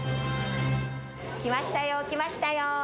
きましたよ、きましたよ。